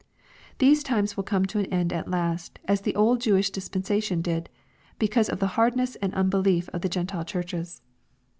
— These times will come to an end at last, as the old Jewish dispensation did, because of the hardness and unbelief of the Gentile churches.